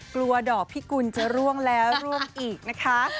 กลัวด่อพี่กุลจะร่วงแล้วร่วมอีกนะคะ